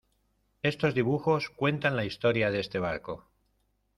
estos dibujos cuentan la historia de este barco.